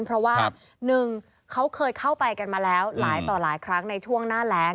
เพราะว่าหนึ่งเขาเคยเข้าไปกันมาแล้วหลายต่อหลายครั้งในช่วงหน้าแรง